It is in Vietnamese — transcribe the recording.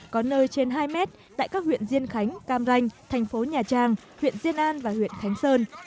có nơi trên hai mét tại các huyện diên khánh cam ranh thành phố nhà trang huyện diên an và huyện khánh sơn